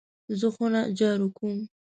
زه خونه جارو کوم .